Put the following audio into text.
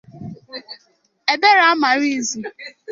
Ebere Amaraizu